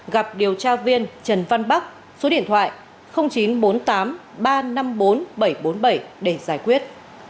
gặp điều tra viên trần văn bắc số điện thoại chín trăm bốn mươi tám ba trăm năm mươi bốn bảy trăm bốn mươi bảy để giải quyết